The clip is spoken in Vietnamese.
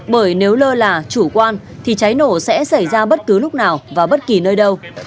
bởi nếu lơ là chủ quan thì cháy nổ sẽ xảy ra bất cứ lúc nào và bất kỳ nơi đâu